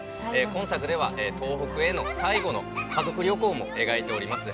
今作では、東北への最後の家族旅行も描いております。